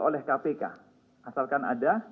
oleh kpk asalkan ada